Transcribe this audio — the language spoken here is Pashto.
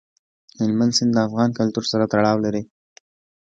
هلمند سیند د افغان کلتور سره تړاو لري.